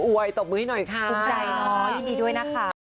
อวยตบมือให้หน่อยค่ะยินดีด้วยนะคะ